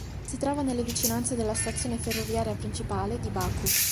Si trova nelle vicinanze della stazione ferroviaria principale di Baku.